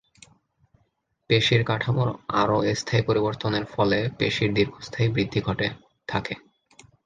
পেশীর কাঠামোর আরও স্থায়ী পরিবর্তনের ফলে পেশীর দীর্ঘস্থায়ী বৃদ্ধি ঘটে থাকে।